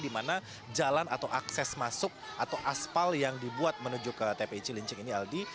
di mana jalan atau akses masuk atau aspal yang dibuat menuju ke tpi cilincing ini aldi